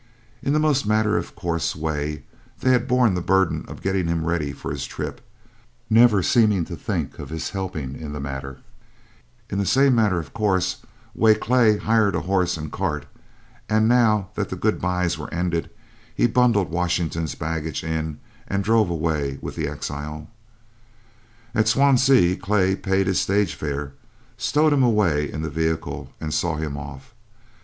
In the most matter of course way they had borne the burden of getting him ready for his trip, never seeming to think of his helping in the matter; in the same matter of course way Clay had hired a horse and cart; and now that the good byes were ended he bundled Washington's baggage in and drove away with the exile. At Swansea Clay paid his stage fare, stowed him away in the vehicle, and saw him off.